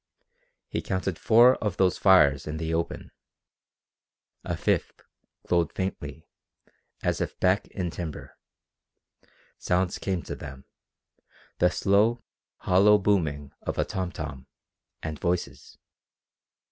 He counted four of those fires in the open. A fifth glowed faintly, as if back in timber. Sounds came to them the slow, hollow booming of a tom tom, and voices.